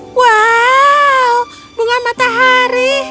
hah wow bunga matahari